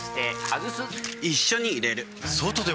一緒に入れる。